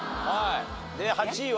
で８位は？